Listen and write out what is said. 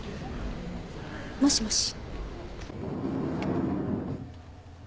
もしもし。